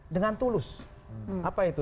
dengan tulus apa itu